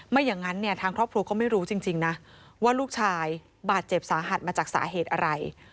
อย่างนั้นเนี่ยทางครอบครัวก็ไม่รู้จริงนะว่าลูกชายบาดเจ็บสาหัสมาจากสาเหตุอะไร